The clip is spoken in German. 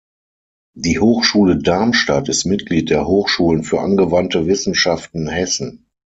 Die Hochschule Darmstadt ist Mitglied der Hochschulen für Angewandte Wissenschaften Hessen.